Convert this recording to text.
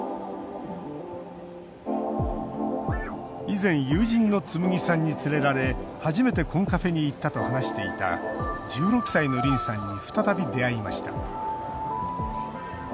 以前友人のつむぎさんに連れられ初めてコンカフェに行ったと話していた、１６歳のりんさんに再び出会いました。